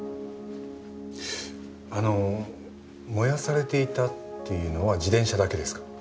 あの燃やされていたっていうのは自転車だけですか？